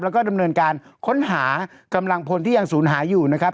แล้วก็ดำเนินการค้นหากำลังพลที่ยังศูนย์หายอยู่นะครับ